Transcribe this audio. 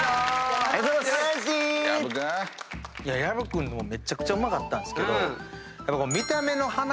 薮君のもめちゃくちゃうまかったんですけどやっぱ。